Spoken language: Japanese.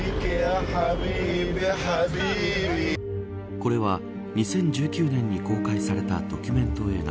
これは、２０１９年に公開されたドキュメント映画。